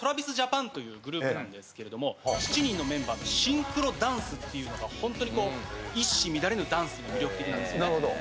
ＴｒａｖｉｓＪａｐａｎというグループなんですけれども７人のメンバーのシンクロダンスっていうのがホントにこう一糸乱れぬダンスが魅力的なんですよね。